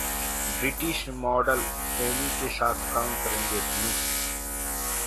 British model Amy के साथ काम करेंगे धनुष